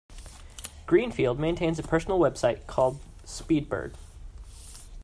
Greenfield maintains a personal Web site called Speedbird.